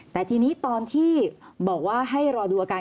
แต่ทีนี้ตอนที่บอกว่าให้รอดูอาการ